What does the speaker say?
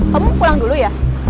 kamu pulang dulu ya